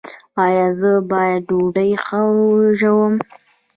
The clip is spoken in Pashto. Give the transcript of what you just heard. ایا زه باید ډوډۍ ښه وژووم؟